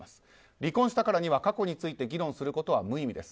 離婚したからには過去について議論することは無意味です。